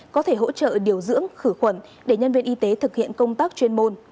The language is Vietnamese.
có thể hỗ trợ điều dưỡng khử khuẩn để nhân viên y tế thực hiện công tác chuyên môn